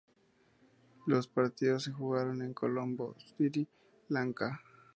Los partidos se jugaron en Colombo, Sri Lanka.